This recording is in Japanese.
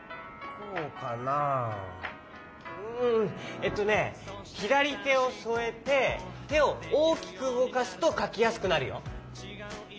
えっとねひだりてをそえててをおおきくうごかすとかきやすくなるよ。